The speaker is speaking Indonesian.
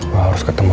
gue harus ketemu